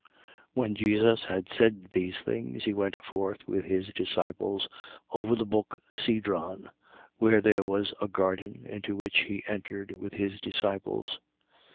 18:1. When Jesus had said these things, he went forth with his disciples over the brook Cedron, where there was a garden, into which he entered with his disciples.